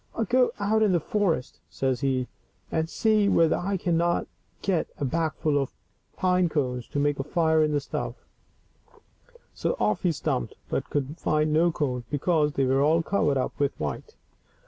"I'll go out into the forest," says he, "and see whether I cannot get a bagful of pine cones to make a fire in the stove." So off he stumped, but could find no cones, because they were all covered up with white.